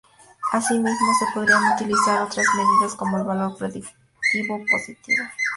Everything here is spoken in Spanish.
Así mismo, se podrían utilizar otras medidas como el valor predictivo positivo.